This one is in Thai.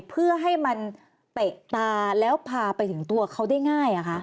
เพื่อให้มันเตะตาแล้วพาไปถึงตัวเขาได้ง่าย